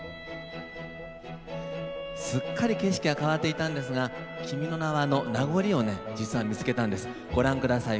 すっかり景色は変わっていたんですが「君の名は」の名残を見つけました、ご覧ください。